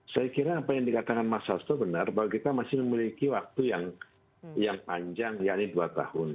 saya kira apa yang dikatakan mas sasto benar bahwa kita masih memiliki waktu yang panjang yakni dua tahun